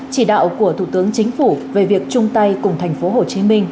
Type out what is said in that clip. chỉ đạo của thủ tướng chính phủ về việc chung tay cùng thành phố hồ chí minh